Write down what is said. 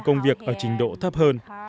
công việc ở trình độ thấp hơn